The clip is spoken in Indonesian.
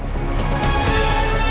kau dulu yang ada di video lalu